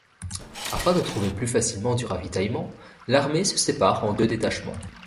Afin de trouver plus facilement du ravitaillement, l'armée se sépare en deux détachements.